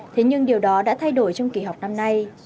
thế nhưng điều đó đã thay đổi trong kỳ học năm nay